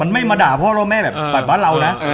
ไม่มาด่าพ่อแล้วแม่แบบบ้านเรานะ